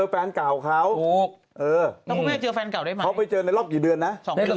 บ้านครับสวัสดีครับ